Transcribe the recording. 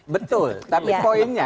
betul tapi poinnya